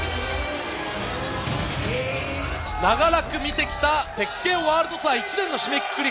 長らく見てきた「鉄拳ワールドツアー」１年の締めくくり。